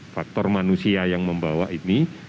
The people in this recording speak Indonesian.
faktor manusia yang membawa ini